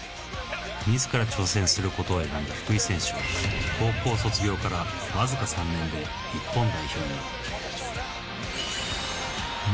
自ら挑戦することを選んだ福井選手は高校卒業からいよいよ厳しい冬本番。